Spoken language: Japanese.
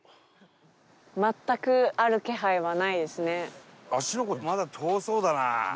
全くある気配はないですね。